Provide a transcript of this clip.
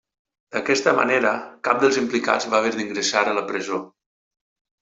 D'aquesta manera, cap dels implicats va haver d'ingressar a la presó.